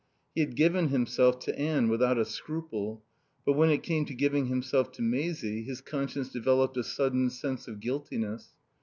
He had given himself to Anne without a scruple, but when it came to giving himself to Maisie his conscience developed a sudden sense of guiltiness.